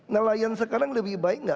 nelayan sekarang lebih baik nggak